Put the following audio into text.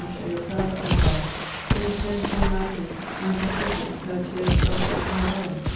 marchez au pas, au pas, in a tone so manly and pathetic, that tears started to my eyes.